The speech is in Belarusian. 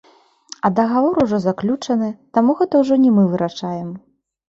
А дагавор ужо заключаны, таму гэта ўжо не мы вырашаем.